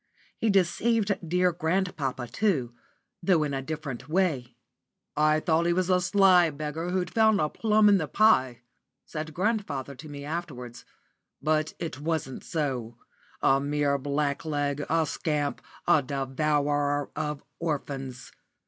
He deceived dear grandpapa, too, though in a different way. "I thought he was a sly beggar who 'd found a plum in the pie," said grandfather to me afterwards; "but it wasn't so a mere blackleg, a scamp, a devourer of orphans.